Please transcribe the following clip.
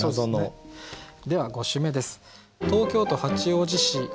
では５首目です。